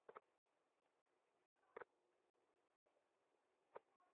বেশ, ঠিক, কিন্তু আমাদের এটাকে খাওয়াতে হবে।